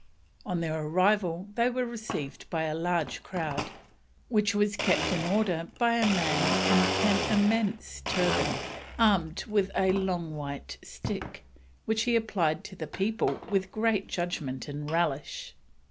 On their arrival they were received by a large crowd, which was kept in order by a man in an immense turban, armed with a long white stick, "which he applied to the people with great judgment and relish."